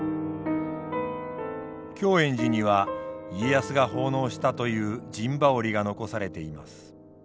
教圓寺には家康が奉納したという陣羽織が残されています。